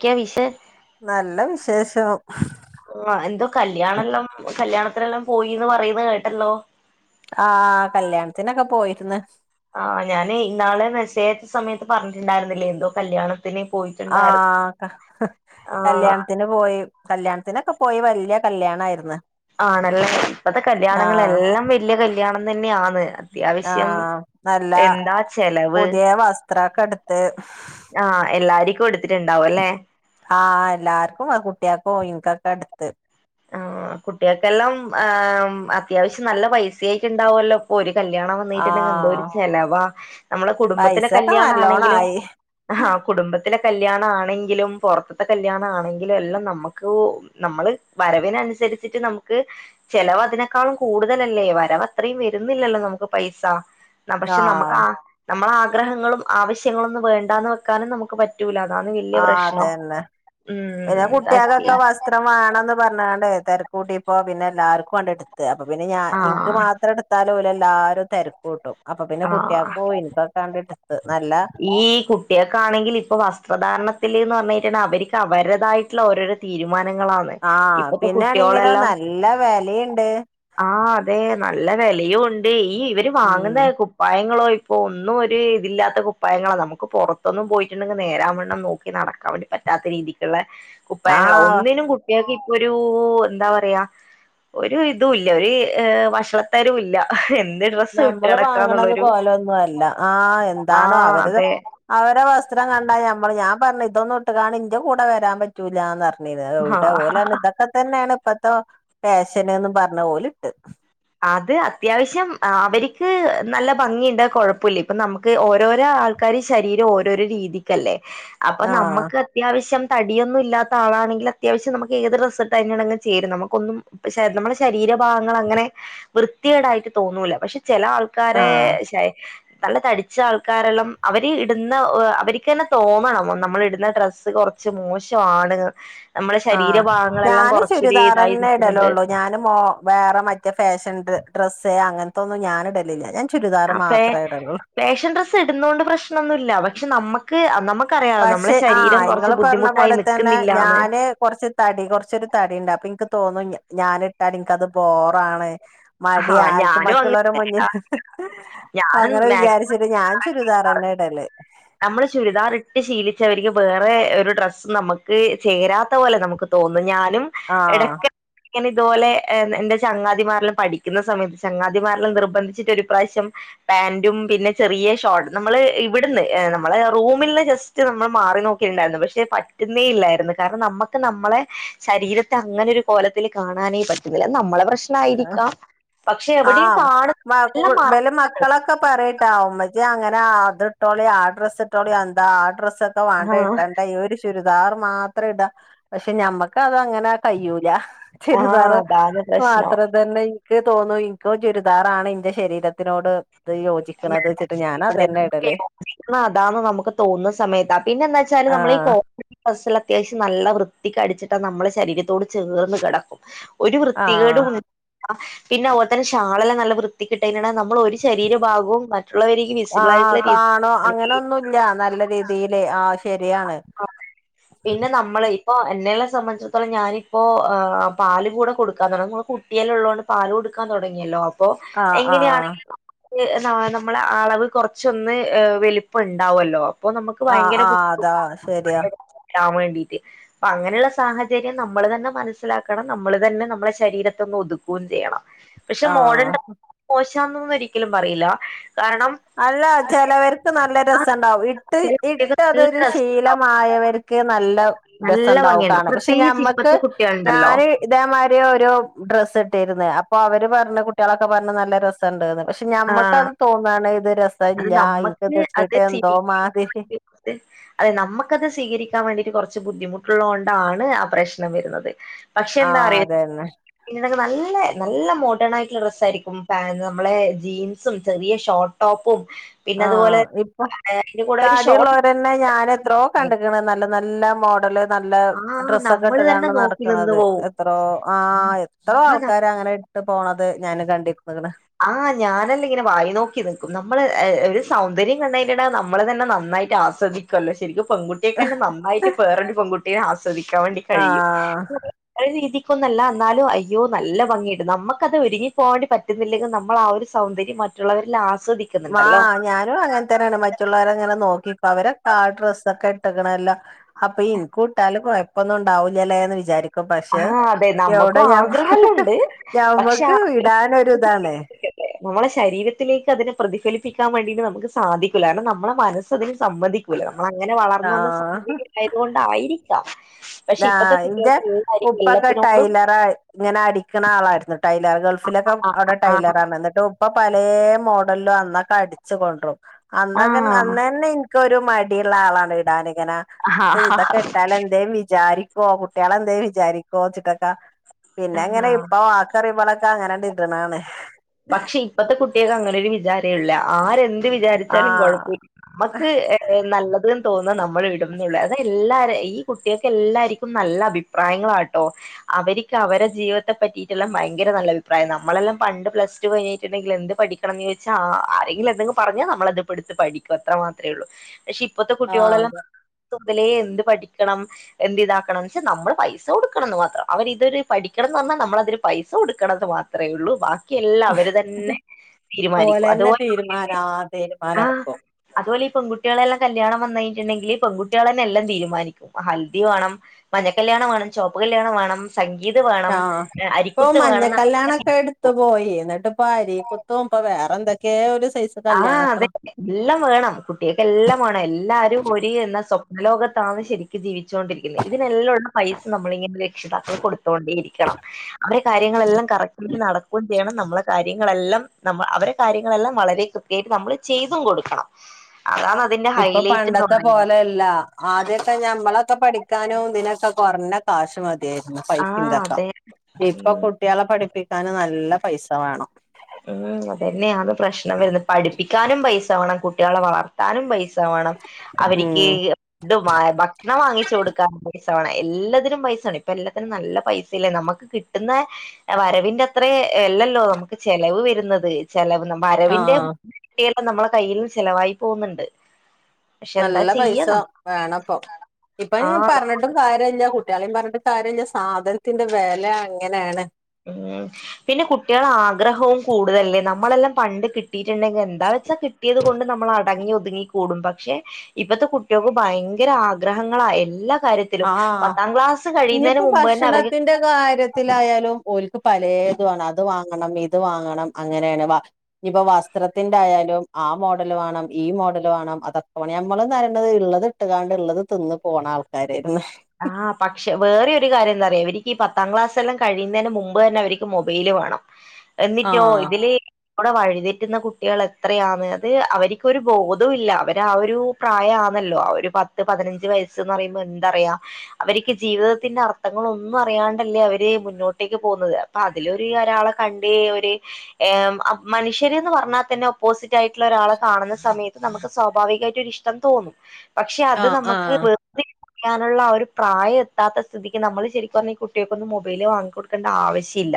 ക്കെയാ വിശേ നല്ല വിശേഷം ഉമ്മ എന്തോ കല്യാണെല്ലാം കല്യാണത്തിലെല്ലാം പോയിന്ന് പറയുന്നത് കേട്ടല്ലോ ആ കല്യാണത്തിനൊക്കെ പോയിരുന്ന് ആ ഞാനെ ഇന്നാള് മെസേജയച്ച സമയത്ത് പറഞ്ഞിട്ടുണ്ടായിരുന്നില്ലേ എന്തോ കല്യാണം ത്തിന് പോയി ആഹ് ക കല്യാണ ത്തിന് പോയി കല്യാണത്തിനൊക്കെ പോയി വല്യ കല്യാണായിരുന്ന് ആണല്ലെ ഇപ്പത്തെ കല്യാണങ്ങളെല്ലാം വെല്യ കല്യാണം തന്നെആന്ന് ആ നല്ല ചെലവ് പുതിയ വസ്ത്രൊക്കെ എടുത്ത് ആഹ് എല്ലാര്ക്കും എടുത്തിട്ടുണ്ടാവും അല്ലേ ആ എല്ലാർക്കും ആ കുട്ടിയെക്കും ഇൻക്കൊക്കെ എടുത്ത് ആഹ് [inaudible] കുട്ടികൾക്കെല്ലാം ആം അത്യാവശ്യം നല്ല പൈസയായിട്ട്ണ്ടാവല്ലോ ഇപ്പൊ ഒരു കല്യാണം ആ വന്നിട്ടുണ്ടെങ്കി എന്തൊരു ചെലവാ നമ്മളെ കുടുംബത്തിലെ പൈസൊക്കെ കല്യാണാ ആണെങ്കിലും നല്ലോണായി ആ കുടുംബത്തിലെ കല്യാണ ആണെങ്കിലും പുറത്തത്തെ കല്യാണ ആണെങ്കിലും എല്ലാം നമ്മക്കു നമ്മള് വരവിനനുസരിച്ചിട്ട് നമുക്ക് ചെലവ് അതിനേക്കാളും കൂടുതലല്ലേ വരവ്ത്രയും വരുന്നില്ലല്ലോ നമുക്ക് പൈസ ആ പക്ഷെ നമുക്കാ നമ്മളാ ആഗ്രഹങ്ങളും ആവശ്യങ്ങളൊന്നും വേണ്ടാന്ന് വെക്കാനും നമുക്ക് പ റ്റുല അതാന്ന് വല്യ ആ പ്രശ്നം അതന്നെ ഉം [unintelligible] വേണന്ന് പറഞ്ഞണ്ടേ തിരക്കൂട്ടി ഇപ്പോ പിന്നെ എല്ലാർക്കും വേണ്ടി എടുത്ത് അപ്പൊ പിന്നെ ഞാ എനിക്ക് ആഹ് മാത്രം എത്ര എടുത്താലും ഇവര് എല്ലാരും തിരക്ക് കുട്ടും അപ്പൊ പിന്നെ കുട്ടിയാക്ക് ആഹ് പോയി ഇനക്കൊക്കാണ്ട ഈ കു കുട്ട്യകണെങ്കിൽ ഇപ്പം വസ്ത്രധാരണത്തില് എന്ന് പറഞ്ഞ കഴിഞ്ഞാൽ അവർക്ക് അവരുേതായിട്ടുള്ള ഓരോരോ തീരുമാനങ്ങളാണ് ആ ഇപ്പത്തെ പിന്നാണെങ്കിലോ നല്ല വിലയുണ്ട് ആ അതെ നല്ല വിലയു ഉണ്ട് ഈ ഇവര് ഉം വാങ്ങുന്ന കുപ്പായങ്ങളോ ഇപ്പോ ഒന്നും ഒരു ഇതില്ലാത്ത കുപ്പായങ്ങള നമുക്ക് പുറത്തൊന്നും പോയിട്ടുണ്ടെങ്കിൽ നേരാ വണം നോക്കി നടാകാൻ വേണ്ടി പറ്റാത്ത രീതിക്കുള്ള കുപ്പായങ്ങളാ ആഹ് ഒന്നിനും കു ട്യക്ക് ഇപ്പൊ ഒരു എന്താ പറയാ ഒരു ഇതു ഇല്ല ഒരി വക്ഷള തരോ ഇല്ല എന്ത് ഡ്രസ് ഇട്ട് ഞമ്മള് വാങ്ങണത് നടക്കാന്നുള്ളൊരു പോലൊന്നും അല്ല ആഹ് ആ എന്താണ് അവര് അതെ അവരെ വസ്ത്രം കണ്ടാ ഞമ്മൾ ഞാൻ പറഞ്ഞു ഇതൊന്നും ഇട്ട് കാണ ഇന്റെ കൂടെ വരാൻ പറ്റൂല്ലന്ന് പറ പിന്നിത് ആവിടെ ആഹ് ഓലാണ് ഇതൊക്കെ തന്നണ് ഇപ്പത്തെ ഫഷനന്ന് പറഞ് ഓല് ഇട്ട് അത് അത്യാവശ്യം അവര്ക്ക് നല്ല ഭംഗിയിണ്ടാ കുഴപ്പഇല്ല ഇപ്പൊ നമുക്ക് ഓരോരോ ആൾ ക്കര് ശരീരം ഓരോരോ രീതിക്കല്ലേ അപ്പൊ ആഹ് നമ്മക്ക് അത്യാവശ്യം തടിയൊന്നും ഇല്ലാത്ത ആളാനെങ്കിൽ അത്യാവശ്യംനമുക്ക് ഏത് ഡ്രസ്സ്‌ട്ടാ ആയിനൊട് അങ്ങ് ചെരും നമ്മുകൊന്നും ശരി നമ്മടെ ശരീരഭാഗങ്ങൾ അങ്ങനെ വൃത്തികെടായിട്ട് തോന്നൂല പക്ഷെ ചില ആൾക്കാരെ ആഹ് ശരി നല്ല തടിച്ച ആൾക്കാരെല്ലാം അവര് ഇടുന്ന ഓ അവര്ക്ക് തന്നെ തോന്നണം നമ്മൾ ഇടുന്ന ഡ്രസ്സ് കൊറ ച്ച് മോശആണ് നമ്മളെ ആഹ് ശരീരഭാഗങ്ങളെല്ലാം കൊറച്ചുരി ഇതായി നിൽക്കുന്നുണ്ട് ഞാനും മോ വേറെ മറ്റേ ഫാഷൻ ഡ്ര ഡ്രസ്സ് അങ്ങനത്തൊന്നും ഞാൻ ഇടലില്ല ഞൻ ചുരിദാറ് അപ്പേ മാത്ര ഇടലുള്ളൂ ഫാഷൻ ഡ്രസ്സ് ഇടുന്നുണ്ട് പ്രശ്നൊന്നുഇല്ല പക്ഷെ നമ്മ ക്ക് ആ നമ്മക്കറിയാ നമ്മളെ പക്ഷെ ആഹ് ശരീരം കുറച്ച് ബുദ്ധിമുട്ടായി നിൽക്കുന്നില്ലാന്ന് ഏ കുറച്ചോരു തടി കുറച്ചൊരു തടി ഉണ്ട് അപ്പൊ എനിക്ക് തോന്നും ഞാനിട്ടാൽ എനിക്കത് ബോറാണ് മടി ആഹ് ആനക്ക് ഞാനും അങ്ങ് മറ്റുള്ളവരെ മുന്നില് ഞാനും അങ്ങനെ മാക്സി വിചാരിച്ചിട്ട് ഞാൻ ചുരിതാറ് തന്നെ ഇടല് നമ്മള് ചുരിദാർ ഇട്ട് ശീലിച്ച അവർക്ക് വേറെ ഒരു ഡ്രസ്സും നമുക്ക് ചേരാത്ത പോലെ നമുക്ക് തോനും ഞാനും ഇടക്ക ആഹ് ഇങ്ങനെ ഇതുപോലെ് എന്റെ ചങ്ങാതിമാരിലും പഠിക്കുന്ന സമയത്ത് ചങ്ങാതിമാരിൽ നിർബന്ധിച്ചിട്ട് ഒരു പ്രാവശ്യം പാന്റും പിന്നെ ചെറിയ ഷോർട്ടും നമ്മള് ഇവിടുന്ന് നമ്മളെ റൂമിൽ നിന്ന് ജസ്റ്റ് നമ്മൾ മാറി നോക്കിയിണ്ടായിരുന്നു പക്ഷെ പറ്റുന്നേ ഇല്ലായിരുന്നു കാരണം നമ്മക്ക് നമ്മളെ ശരീരത്തെ അങ്ങനെ ഒരു കോലത്തിൽ കാണാനേ പറ്റുന്നില്ല നമ്മളെ പ്രശ്ന ളായിരിക്കാം പക്ഷെ എവിടെയും ആഹ് കാണു മ എല്ലാം മറ ഇബലെ മക്കളൊക്കെ പറയയിട്ടാ ഉമ്മച്ചി അങ്ങനെ അത് ഇട്ടോളി ആ ഡ്രസ്സ് ഇട്ടോളി എന്താ ആ ഡ്രസ്സ് ക്കെ വാണ്ടെ ആഹ് ഇട്ടണ്ടെ ഒരിഷ് ചുരിദാർ മാത്രം ഇടാ പക്ഷെ ഞമ്മക്ക് അത് അങ്ങനെ കഴൂല ആഹ് ചുരിതാറ് അതാണ് മാത് പ്രശ്നം അ തന്നെ എനിക്ക് തോന്നു ഇന്ക്ക് ചുരിദാറാണ് എന്റെ ശരീരത്തിനോട്ത് യോജിക്കുന്നത് വെച്ചിട്ട് ഞ അതെ അതാന്ന് നമുക്ക് തോന്നുന്ന സമയത്ത പിന്നെ എന്താ വെച്ചാല് നമ്മളീ ആഹ് കോ ഫസ്സൽ അത്യാവശ്യം നല്ല വൃത്തിക്കടിച്ചിട്ട് നമ്മളെ ശരീരത്തോട് ചേർന്ന് കിടക്കും ഒരു ആഹ് വൃത്തികേടുംല്ല പിന്നെ അതുപോലെ തന്നെ ഷാളെല്ലാം നല്ല വൃത്തി കിട്ട നമ്മൾ ഒരു ശരീരം ആകും മ ആഹ് കാണോ അങ്ങനെൊന്നുമല്ല നല്ല രീതിൽ ആഹ് ശരിയാണ് അതെ പിന്നെ നമ്മള് ഇപ്പൊ എന്നെ സംബന്ധിചെട്ത്തോളം ഞാനിപ്പോ പാല് കൂടെ കൊടുക്കാന്തൊ ടങ്ങുവാണ് അത് ട്ട്യേള് ള്ളോണ്ട് പാല് കൊടുക്കാൻ തൊടങ്ങില്ലോ അപ്പൊ ആഹ് ആഹ് എങ്ങനെയാണെങ്കിലും നാളെ നമ്മള് അളവ് കൊറച്ചൊന്ന് വെല് പ്പ ണ്ടാവു ല്ലോ അപ്പൊ നമുക്ക് ഭയങ്കര താ ശെരിയാ. ചാമേണ്ടിട്ട് അങ്ങനെള്ള സാഹചര്യം നമ്മള് തന്നെ മനസ്സിലാക്കണം നമ്മള് തന്നെ നമ്മളെ ശരീരത്തൊന്ന് ഒതുക്കു ചെയ്യണം. പക്ഷെ മോഡേൺ ആഹ് ഡ്രസ്സ്‌ മോശാന്നൊന്നും ഒരിക്കലും പറയില്ല കാരണം അല്ല ചെലവർക്ക് നല്ല രസം ണ്ടാവും ഇട്ട് ചില ഇട്ട് കുട്ടികൾക്ക് ത നല്ല ഒരു രസണ്ടാവും ശീലമായവര്ക്ക് നല്ല നല്ല രസംണ്ടാവും ഭംഗിയുണ്ട് കാണ പക്ഷെ പ്രത്യേകിച്ച് ഞമ്മക്ക് ഇപ്പത്തെ കുട്ടികളുണ്ടല്ലോ ഞാന് ഇതേമായ്രി ഒരു ഡ്രസ്സ് ഇട്ടിര്ന്ന് അപ്പൊ അവര് പർണ് കുട്ടിളൊക്കെ പർണ് നല്ല രസണ്ട്ന്ന് പഷ് ആ ഞമ്മക്കത് തോന്നാണ്. ഇത് അത് രസല്ല നമ്മക്ക് ഇൻക്കിത് അത് ഇട്ടിട്ട് എന്തോ ചെയി മാതിരി [unintelligible] അതെ നമുക്കത് സ്വീകരിക്കാ വേണ്ടിട്ട് കൊറച്ച് ബുദ്ധിമുട്ടുള്ളോണ്ടാണ് ആ പ്രശ്നം വെര്ന്നത്. പക്ഷെ ആഹ് ന്താറിയോ? അതന്നെ പിന്നത് നല്ലെ നല്ല മോഡേൺ ആയിട്ടുള്ള ഡ്രസ്സ് ആയിരിക്കും പാ നമ്മളെ ജീൻസും ചെറിയ ഷോർട്ട് ടോപ്പും പിന്നെ അതുപോലെ ആഹ് അതിന്റെ കൂടെ ഒരു ഷോ പിന്നെ ഞൻ എത്രോ കണ്ട്ക്ണ് നല്ല നല്ല മോഡല് നല്ല ആ ഡ്രസ്സൊക്കെ ഇട്ട് നമ്മള് തന്നെ കാണ്ട് നോക്കി നിന്ന് നടക്കണത് പോകും എത്രോ ആ എത്രോ ആ ന ആൾക്കാര് അങ്ങനെ ട്ട് പോണത് ഞാൻ കണ്ടിര് ന്ന്ക്ണ്. ആഹ് ഞാനല്ലേ ഇങ്ങനെ വായി നോക്കി നിക്കും നമ്മള് ഒരു സൗന്ദര്യം കണ്ടയ്നേടാ നമ്മള് തന്നെ നന്നായിട്ട് ആസ് സ്വദിക്കല്ലോ ശെരിക്കും പെങ്കു ട്ട്യേകെന്നെ നന്നായിട്ട് വേറൊരു പെൺകുട്ടീനെ ആസ്വദിക്കാൻ വേണ്ടി കഴിയും ആ. ആഹ് ഒര് രീതിക്കൊന്നല്ല എന്നാലും അയ്യോ നല്ല ഭംഗിണ്ട് നമുക്കത് ഒരുങ്ങി പോവണ്ടി പറ്റ റ്റ്ന്നില്ലെങ്കി നമ്മൾ ആ ഒരു സൗന്ദര്യം മറ്റുള്ളവരിൽ ആസ്വദി ആഹ് ഞാനും അങ്ങനെ തന്നെണ് മറ്റുള്ളവരെങ്ങനെ നോക്കിക്കു അവരെ ട്ടാ ഡ്രസ്സൊക്കെ ട്ട്കണല്ലോ അപ്പൊ ഇൻകൂട്ടാലും കൊഴപ്പൊന്നും ണ്ടാവൂല്ലലെ ന്ന് വിചാരിക്ക. ക്കും ആ പക്ഷെ അതെ എവിടെ നമ്മുക്കും ഞ ആഗ്രഹെല്ലാം ഉണ്ട് പക്ഷെ ആ ഞമ്മക്ക് ഇടാനൊരു താണ്. ശരീരത്തിലേക്കല്ലേ, നമ്മളെ ശരീരത്തിലേക്ക് അതിനെ പ്രതിഫലിപ്പിക്കാൻ വേണ്ടീട്ട് നമ്ക്ക് സാധിക്കൂല കാരണം നമ്മളെ മനസ് സ് അതിന് സംമ്മതിക്കൂല മ്മള അങ്ങനെ വളർന്ന വന്ന ആഹ് സാഹചര്യം ആയതു കൊണ്ടായിരിക്കാം. പഷെ ആ ഇപ്പത്തെ കുട്ട്യേക്ക് ഏതായിരിക്കും എല്ലാത്തിനോടും ഇപ്പ ഇങ്ങനെ അടിക്കണ ആളാര്ന്നു ടൈല ഗൾഫിലൊക്കെ ആ അവടെ ആ ടൈലറണ് എന്നിട്ടു. പ്പ പലെ മോഡലും അന്നൊക്കെ അടിച്ചു കൊണ്ടോ ആ അന്നൊക്കെ അന്നന്നെ ഇൻക്കൊരു മടിയ്ള്ള ആളാണ് ഇടാനിങ്ങനെ ആ ആ, ഇത് ഇതൊക്കെ ഇട്ടാല് എന്തേ വി ചാരിക്കോ കുട്ടിളെന്തേ വിചാരിക്കോച്ച്ട്ടൊക്കെ, ആ, പിന്നെ അങ്ങനെ ആ. ഇപ്പോ [unintelligible] അങ്ങനാണ്ട് ഇട്ണാണ്. പക്ഷെ ഇപ്പത്തെ കുട്ട്യേൾക്ക് അങ്ങനൊരു വിചാരെല്ല ആരെന്ത് ന്ത് ആ വിചാരിച്ചാലും കൊഴപ്പല്ല ഞമ്മക്ക് ഏഹ് നല്ലത് തോന്ന നമ്മള് ഇടുംന്നൊള്ളു അതെല്ലാരെ ഈ കുട്ട്യേക്ക് എല്ലാര്ക്കും നല്ല അഭിപ്രായങ്ങളാട്ടോ അവര്ക്ക് അവരെ ജീവിതത്തെ പറ്റിട്ടില്ലേ ഭയങ്കര നല്ല അ ഭിപ്രയാ. നമ്മളെല്ലാം പണ്ട് പ്ലസ് ടു കഴിഞ്ഞിട്ട്ണ്ടെങ്കില് എന്ത് പഠിക്കണം എന്ന് ചോദിച്ചാ ആരെങ്കിലും എന്തെങ്കിലും പറഞ്ഞാ നമ്മളത് എടുത്ത് പഠി അത്രമാത്രേള്ളൂ. പക്ഷെ ഇപ്പത്തെ ആ കുട്ടിയോളെല്ലാം അതെ പ്ലസ് ടു മുതലേ എന്ത് പഠിക്കണം എന്ത് ഇതാക്കണം. പക്ഷെ നമ്മള് പൈസ കൊടുക്കണംന്ന് മാത്രം. അവരി ഇതൊരു പഠിക്കണംന്ന് പറഞ്ഞാ നമ്മളതിന് പൈസ കൊടുക്കണം ക്കണം ന്ന് മാത്രെ ഒള്ളൂ ബാക്കിയെല്ലാം അവര് തന്നെ തീരുമാനിക്കൂ ഓലന്നെ അതുപോലെ [unintelligible] ആഹ്. അതുപോലെ പെൺകുട്ടികളെല്ലാം കല്യാണം വന്നഴിഞ്ഞിട്ട്ണ്ടെങ്കില് പെൺകുട്ടിളെന്നെല്ലം തീരുമാനിക്കും ഹൽദി വാണം മഞ്ഞ കല്യാണം വേണം, ചോപ്പ് കല്യാണം വേണം, സംഗീത് വേണം, ആഹ് ഏഹ് അരിക്കുത്ത് വേണംന്ന് ത്തൊക്കെ പോയി. എന്നിട്ട്പ്പം അരീ കുത്തും ഇപ്പ വേറെ എന്തൊക്കെ ഒര് സൈസ് ആഹ് കല്യാണൊക്കെ അതെന്നെ എല്ലം വേണം കുട്ട്യേൾക്ക് എല്ലം വേണം എല്ലാരും ഒരി എന്ന സ്വപ്നലോകത്താണ് ശെരി ജീവിച്ചോണ്ടിരിക്കുന്നേ ഇതിനെല്ലോണം പൈസ നമ്മളിങ്ങനെ രക്ഷിതാക്കള് കൊടുത്തോണ്ടേരിക്കണം. അവരെ കാര്യങ്ങളെല്ലാം കറക്റ്റ്ക്ക് നടക്കും ചെയ്യണം നമ്മളെ കാര്യങ്ങളെല്ലം ഞമ്മ അവരെ കാര്യങ്ങളെല്ലാം വളരെ [unintelligible] നമ്മള് ചെയ്തും കൊടുക്കണം അതാണ് അതിന്റെ ഇപ്പം ഹൈലൈറ്റ് എന്ന് പണ്ടത്തെ പോലെ ല്ലാ ആദ്യൊക്കെ ഞമ്മളൊക്കെ പഠിക്കാനും ഇതിനൊക്കെ കൊറഞ്ഞ കാശ് മതി. [unintelligible] ആഹ് പൈസിണ്ടാക്കാം. അതെ ഇപ്പ ഉം കുട്ടിയേളെ പഠിപ്പിക്കാന് നല്ല പൈസ വേണം. ഹ്മ്മ് അതന്നെയാണ് പ്രശ്നം വരുന്നേ, പഠിപ്പിക്കാനും പൈസ വാണം കുട്ട്യേളെ വളർത്താനും പൈസ വേണം അവരിക്ക് ഉം ടു ഏഹ് ഭക്ഷണം വാങ്ങിച്ചു കൊടുക്കാൻ പൈസ വേണം. എല്ലാത്തിനും പൈസാണ് ഇപ്പ എല്ലത്തിനും നല്ല പൈസല്ലേ നമ്മക്ക് കിട്ട് ട്ടുന്ന വരവിന്റെ അത്രേ അല്ലല്ലോ നമുക്ക് ചെലവ് വരുന്നത്. ചെലവ് വരവിന്റെ ആഹ് ഇരട്ടിയല്ലേ നമ്മളെ കയ്യിന്ന് ചെലവായി പോകുന്ന്ണ്ട്. നല്ല പൈസ വേണപ്പം ഇപ്പൊ ആഹ് ഞാൻ പറഞ്ഞി ട്ടും കാര്യല്ല, കുട്ട്യാളിം പറഞ്ഞിട്ട് കാര്യല്ല സാധനത്തിന്റെ വെല അങ്ങനേണ്. ഹ്മ്മ്, പിന്നെ കുട്ടികളാഗ്രഹവും കൂടുതലല്ലേ നമ്മളെല്ലാം പണ്ട് കിട്ടിയിട്ടുണ്ടെങ്കിൽ ത എന്താ വെച്ചാ കിട്ടിയത് കൊണ്ട് നമ്മള് അടങ്ങി ഒതുങ്ങി കൂടും പക്ഷെ ഇപ്പത്തെ കുട്ട്യോൾക്ക് ഭയങ്കര ആഗ്രഹങ്ങളാ എല്ലാ കാര്യ ത്തിലും. ആഹ് പത്താം ക്ലാസ്സ് ഇനിയിപ്പോ കഴിയുന്നേന്റെ മുമ്പ് തന്നെ അവർക്ക് ഭക്ഷണത്തിന്റെ കാര്യത്തിലായാലും ഓൽക്ക് പലേത് വാണം അത് വാങ്ങണം ഇത് വാങ്ങണം അങ്ങനെയാണ്. വ ഇനിപ്പ വസ്ത്രത്തിന്റായാലും ആ മോഡല് വാണം ഈ മോഡല് വാണം അതൊക്കെവേണം. നമ്മള്ന്നറയ്ണത് ഇള്ളത് ഇട്ട്കാണ്ട് ഇള്ളത് തിന്ന് പോണ ആൾക്കാരേര്ന്ന്. ആഹ് പക്ഷേ വേറെഒര് കാര്യം എന്താറിയോ ഇവര്ക്ക് ഈ പത്താം ക്ലാസ്സെല്ലാം കഴിയുന്നേന്റെ മുമ്പ് തന്നെ ഇവര്ക്ക് മൊബൈല് വേണം [inaudible] എന്നിട്ടോ ആഹ് ഇതില് അവടെ വഴിതെറ്റുന്ന കുട്ടിയേളെത്രയാന്ന് അത് അവരിക്കൊരു ബോധോല്ലാ അവരാ ഒരു പ്രായാനല്ലോ, അവര് പത്ത് പതിനഞ്ച് വയസ്സ്ന്ന് പറയുമ്പോഎന്തറിയാം അവര്ക്ക് ജീവിതത്തിന്റെ അർത്ഥങ്ങളൊന്നും അറിയാണ്ടല്ലേ അവര് മുന്നോട്ടേക്ക് പോകുന്നത്. അപ്പൊ അതിലൊര് ഒരാളെ കണ്ട് ഒര് ഏഹ് അ മനുഷ്യര്ന്ന് പറഞ്ഞാതന്നെ ഓപ്പോസിറ്റ് ആയിട്ട്ള്ള ഒരാളെ കാണുന്ന സമയത്ത് നമുക്ക് സ്വാഭാവികായ്ട്ടൊരിഷ്ടം തോന്നും. പക്ഷെ അത് ആഹ് നമുക്ക് ആഹ് വെർതി ക്കാനുളള ആ ഒര് പ്രായം എത്താത്ത സ്ഥിതിക്ക് നമ്മള് ശെരിക്കും പറഞ്ഞാ ഈ കുട്ട്യേൾക്കൊന്നും മൊബൈല് വാങ്ങി കൊടുക്കേണ്ട ആവശ്യല്ല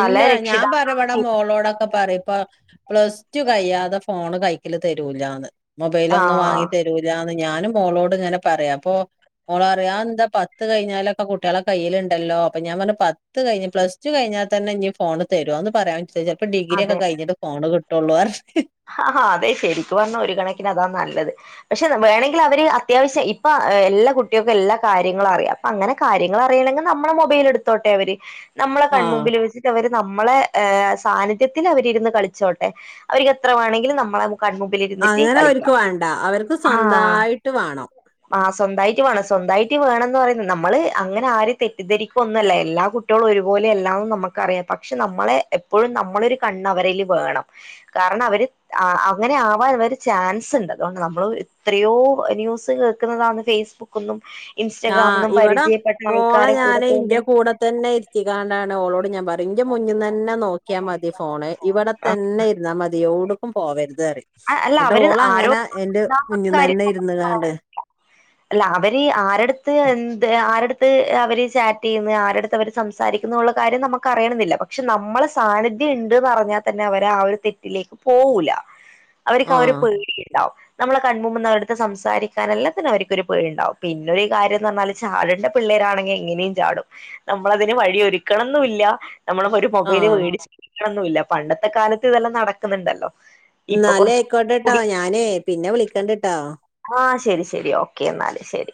ഇല്ല, ഞാൻ പറിം ഇവടെ മോളോടൊക്കെ പറിം പ്പ പ്ലസ് ടു കഴിയാതെ ഫോണ് കൈക്കല് തരൂലാന്ന്. മൊബൈലൊന്നും വാങ്ങി ആഹ് തര് മേനിഞാന്ന് ഞാന് മോളോട്ങ്ങനെ പറയും അപ്പൊ. മോളറിം അഹ് എന്താ പത്ത് കഴിഞ്ഞാലൊക്കെ കുട്ട്യാളെ കയ്യില്ണ്ടല്ലോ അപ്പ ഞാ പർഞ്ഞ് പത്ത് കഴിഞ്ഞ് പ്ലസ് ടു കഴിഞ്ഞാ തന്നെ ഞി ഫോണ് തരോന്ന് പറയാൻ പറ്റൂല ചെൽപ്പോ ഡിഗ്രി അതെ ഒക്കെ കഴിഞ്ഞിട്ട് ഫോണ് കിട്ടൊള്ളു അർഞ്. അതെ ശരിക്ക് പർഞ്ഞാ ഒരു കണക്കിന് അതാ നല്ലത്. പക്ഷെ വേണങ്കിൽ അവര് അത്യാവശ്യം ഇപ്പ എല്ലാ കുട്ട്യോക്കും എല്ലാ കാര്യങ്ങളും അറിയാം. അങ്ങനെ കാര്യങ്ങള് അറിയണെങ്കി നമ്മളെ മൊബൈല് എടുത്തോട്ടെ അവര്. നമ്മളെ ആഹ് കൺമുമ്പിൽ വെച്ചിട്ട് അവര് നമ്മളെ ഏഹ് സാന്നിധ്യത്തിൽ അവരിര്ന്ന് കളിച്ചോട്ടെ അവർകെ എത്രവേണെങ്കിലും നമ്മളെ കണ്മു അങ്ങനെ ഓല്ക്ക് വേണ്ട അവർക്ക് സ്വന്തായിട്ട് വാണം ആഹ് സ്വന്തായിട്ട് വേണം സ്വന്തായിട്ട് വേണന്ന് പറയുന്ന് നമ്മള് അങ്ങനെ ആരെ തെറ്റിദ്ധരിക്കൊന്നും അല്ല എല്ലാ കുട്ട് ട്ട്യോൾ ഒരുപോലെയല്ലാന്ന് നമുക്കറിയാംപക്ഷെ നമ്മളെ എപ്പോഴും നമ്മളൊരു കണ്ണ് അവരേൽ വേണം. കാരണം അവര്. ആഹ് അങ്ങനെ ആവാനുള്ള ഒരു ചാൻസ് ഇണ്ട് അതു കൊണ്ട് നമ്മൾ എത്രയോ ന്യൂസ് കേ കുന്നതാണ് ഫേസ്ബുക്ക്ന്നും. ആഹ് ഇവടെ മോളെ കൂടെ ഞന് പോകും ഇന്റെ കൂടെ തന്നെ ഇര് ഇര്ത്തികാണ്ടാണ് ഓളോട് ഞാ പറിം ഇൻ്റെ മുന്ന് തന്നെ നോക്ക്യാ മതി ഫോണ് ഇവടെ തന്നെ ഇ നാ മതിയോടാക്കും പോവര്ത് അറിം. അല്ല ങ്ങട്ട അവര് ആരോ ഓളങ്ങനെ എന്റെ ഉണ്ടാക്കുന്ന കാര്യം മുന്ന്ന്നന്നെ ഇര്ന്ന്ങ്ങാണ്ട് അല്ല അവര് ആരെട്ത്ത് എന്ത് ആരെട്ത്ത് അവര് ചാറ്റിയ്ന്ന് ആരെട്ത്ത് അവര് സംസാരിക്കുണുള്ള കാര്യം നമുക്കറിയണന്നില്ല പക്ഷെ നമ്മളെ സാന്നിധ്യം ഉണ്ട്ന്ന് അറിഞ്ഞാൽ തന്നെ അവര് ആ ഒരു തെ ലേക്ക് പോവൂല അവർക്ക് അവര് ആഹ് പേടിയിണ്ടാവും നമ്മളെ കൺമുമ്പ്ന്നവരടുത്ത് സംസാരിക്കാനല്ലാത്തിനവർക്കൊരു പേടിണ്ടാവും പിന്നെരു കാര്യം എന്ന് പറഞ്ഞാൽ ചാടേണ്ട പിള്ളേരാണെങ്കിൽ എങ്ങനെയും ചാടും നമ്മള അതിന് വഴിയ ഒരുക്കണം എന്നില്ല നമ്മള മൊബൈല് ആഹ് മേടിച്ച കൊടുക്കണൊന്നില്ല പണ്ടത്തെ കാലത്ത് ഇതെല്ലാം നടക്കുന്നുണ്ടല്ലോ ഇപ്പൊ ഇന്നാൽ കുറച്ച് ആയിക്കോട്ടെട്ടോ കൂടി ഞാനേ പിന്നെ വിളിക്കണ്ടട്ടോ ആഹ് ശരി ശരി ഓക്കെ എന്നാല് ശരി